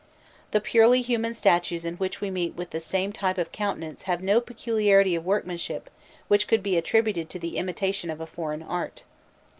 The purely human statues in which we meet with the same type of countenance have no peculiarity of workmanship which could be attributed to the imitation of a foreign art.